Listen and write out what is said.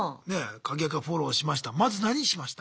鍵アカフォローしました。